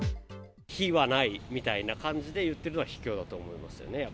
非はないみたいな感じで言ってるのは、ひきょうだと思います